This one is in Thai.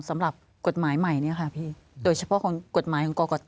สำหรับกฎหมายใหม่โดยเฉพาะกฎหมายของกรกต